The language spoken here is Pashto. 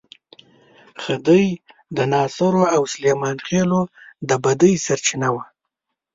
خدۍ د ناصرو او سلیمان خېلو د بدۍ سرچینه وه.